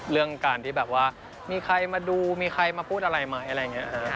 เรื่องการที่แบบว่ามีใครมาดูมีใครมาพูดอะไรไหมอะไรอย่างนี้